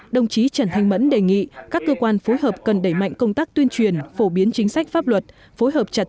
đồng chí trần thanh mẫn đề nghị các cơ quan phối hợp cần đẩy mạnh công tác tuyên truyền phổ biến chính sách pháp luật